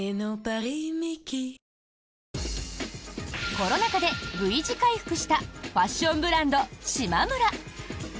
コロナ禍でＶ字回復したファッションブランドしまむら。